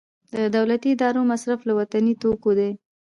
د دولتي ادارو مصرف له وطني توکو دی